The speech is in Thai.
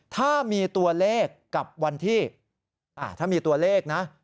ถ้ามีตัวเลขกับวันที่ถ้ามีตัวเลขนะ